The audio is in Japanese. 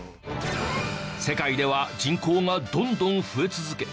世界では人口がどんどん増え続け